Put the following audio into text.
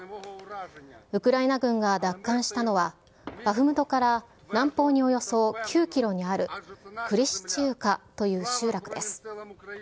ウクライナ軍が奪還したのは、バフムトから南方におよそ９キロにある、クリシチウカという集落です。